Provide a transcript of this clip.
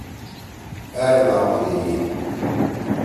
أر لامو دئیی۔